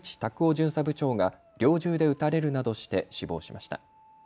巡査部長が猟銃で撃たれるなどして死亡しました。